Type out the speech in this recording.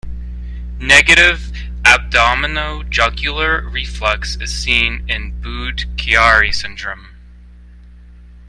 Negative abdominojugular reflux is seen in Budd-Chiari syndrome.